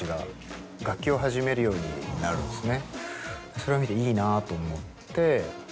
それを見ていいなと思って。